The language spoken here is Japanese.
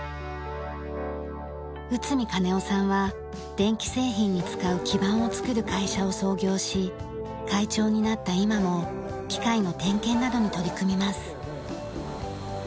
内海金男さんは電気製品に使う基盤を作る会社を創業し会長になった今も機械の点検などに取り組みます。